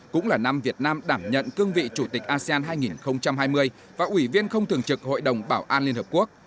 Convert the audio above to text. cũng là năm việt nam đảm nhận cương vị chủ tịch asean hai nghìn hai mươi và ủy viên không thường trực hội đồng bảo an liên hợp quốc